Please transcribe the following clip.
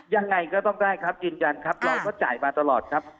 ยังไงก็ต้องได้ครับยืนยันครับเราก็จ่ายมาตลอดครับ